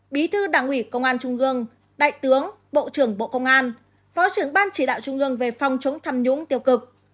bí thư đảng ủy công an trung gương đại tướng bộ trưởng bộ công an phó trưởng ban chỉ đạo trung ương về phòng chống tham nhũng tiêu cực